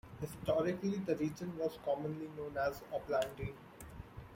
Historically, the region was commonly known as "Opplandene".